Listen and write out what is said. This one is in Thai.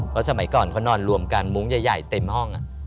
เพราะสมัยก่อนเขานอนรวมกันมุ้งใหญ่เต็มห้อง